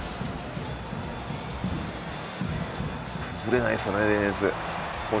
崩れないですよね、ディフェンス。